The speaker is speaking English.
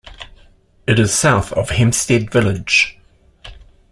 It is south of Hempstead village.